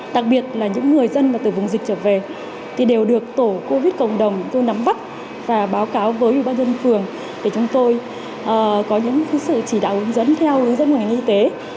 đặc biệt là những người dân mà từ vùng dịch trở về thì đều được tổ covid cộng đồng nắm bắt và báo cáo với ủy ban nhân dân phường để chúng tôi có những sự chỉ đạo hướng dẫn theo hướng dẫn ngành y tế